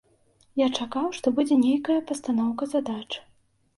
Я чакаў, што будзе нейкая пастаноўка задач.